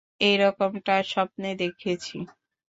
এরকমটা স্বপ্নে দেখেছি।